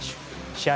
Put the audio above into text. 試合